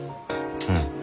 うん。